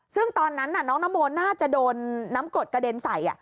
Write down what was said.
ซึ่งตอนนั้นน้องนโมน่าจะโดนน้ำกรดกระเด็นใส่